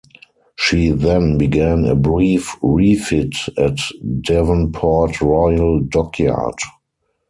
She then began a brief refit at Devonport Royal Dockyard.